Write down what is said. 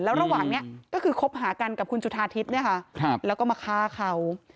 และระหว่างเนี้ยก็คือคบหากันกับคุณจุฐาทิสเนี้ยค่ะครับแล้วก็มาฆ่าเขา